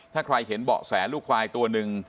ถ้าใครเห็นเบาะแสลูกควายตัวหนึ่ง